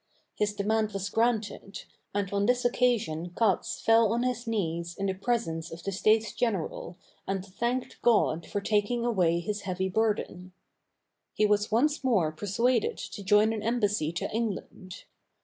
His demand was granted, and on this occasion Cats fell on his knees in the presence of the States General and thanked God for taking away his heavy burden. He was once more persuaded to join an embassy to England.